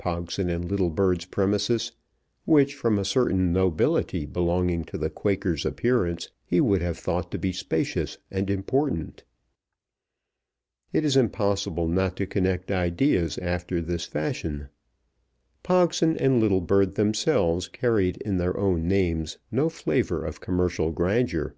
Pogson and Littlebird's premises, which, from a certain nobility belonging to the Quaker's appearance, he would have thought to be spacious and important. It is impossible not to connect ideas after this fashion. Pogson and Littlebird themselves carried in their own names no flavour of commercial grandeur.